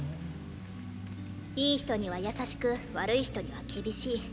いい人には優しく悪い人には厳しい。